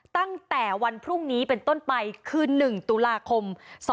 ตั้งแต่วันพรุ่งนี้เป็นต้นไปคือ๑ตุลาคม๒๕๖๒